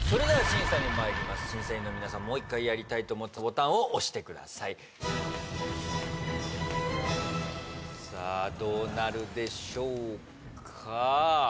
それでは審査にまいります審査員の皆さんもう一回やりたいと思ったボタンを押してくださいさあどうなるでしょうか？